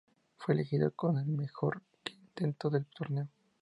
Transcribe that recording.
Fue elegido en el "mejor quinteto" del torneo.